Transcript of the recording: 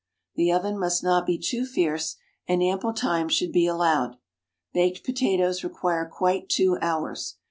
The oven must not be too fierce, and ample time should be allowed. Baked potatoes require quite two hours.